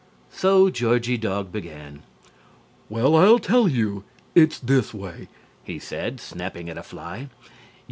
So Georgie Dog began. "Well, I'll tell you; it's this way," he said, snapping at a fly.